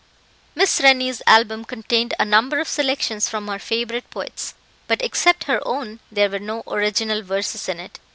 Miss Rennie's album contained a number of selections from her favourite poets, but except her own there were no original verses in it.